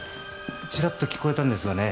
チラッと聞こえたんですがね